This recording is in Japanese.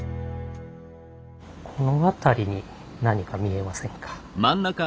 この辺りに何か見えませんか？